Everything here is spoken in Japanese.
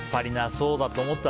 そうだと思った。